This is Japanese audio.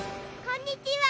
こんにちは！